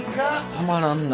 たまらんな。